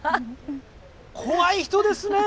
怖い人ですね。